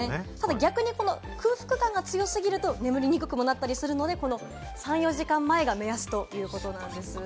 逆に空腹感が強すぎると眠りにくくなったりするので、３４時間前が目安ということなんです。